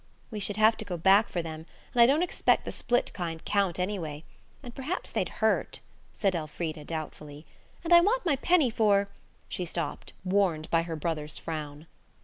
"We should have to go back for them, and I don't expect the split kind count, anyhow. And perhaps they'd hurt," said Elfrida doubtfully. "And I want my penny for–" She stopped, warned by her brother's frown.